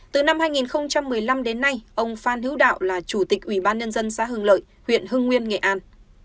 từ năm hai nghìn một mươi năm đến nay ông phan hữu đạo là chủ tịch ủy ban nhân dân xã hưng lợi huyện hưng nguyên nghệ an